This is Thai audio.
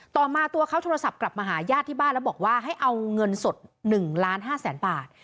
ต่อมาตัวเขาโทรศัพท์กลับมาหาญาติที่บ้านแล้วบอกว่าให้เอาเงินสด๑ล้าน๕แสนบาท